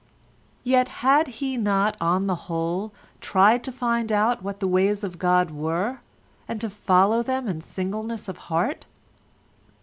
Yet had he not on the whole tried to find out what the ways of God were, and to follow them in singleness of heart?